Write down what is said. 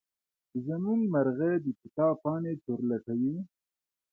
زمونږ مرغه د کتاب پاڼې چورلټوي.